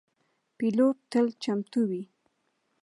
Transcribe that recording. پیلوټ تل چمتو وي.